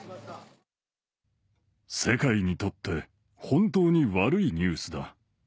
世界にとって本当に悪いニュースだ。